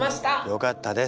よかったです。